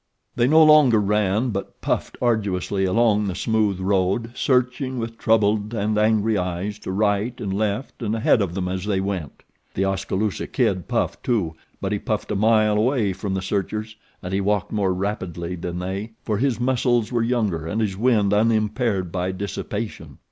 They no longer ran; but puffed arduously along the smooth road, searching with troubled and angry eyes to right and left and ahead of them as they went. The Oskaloosa Kid puffed, too; but he puffed a mile away from the searchers and he walked more rapidly than they, for his muscles were younger and his wind unimpaired by dissipation.